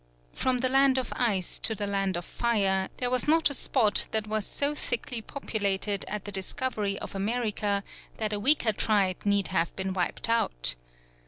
From the Land of Ice to the Land of Fire, there was not a spot that was so thickly populated at the discovery of America that a weaker tribe need have been wiped out.